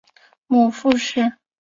母傅氏。